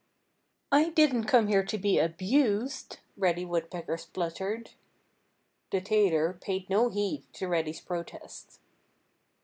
"I didn't come here to be abused!" Reddy Woodpecker spluttered. The tailor paid no heed to Reddy's protest.